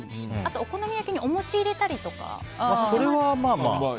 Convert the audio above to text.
お好み焼きにお餅入れたりとか。